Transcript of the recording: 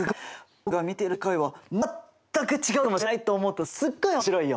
僕が見ている世界は全く違うかもしれないと思うとすっごい面白いよ！